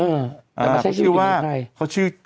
แต่ไม่ใช่ชื่อคนไทย